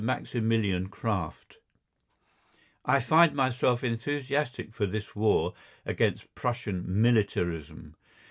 MAXIMILIAN CRAFT I find myself enthusiastic for this war against Prussian militarism.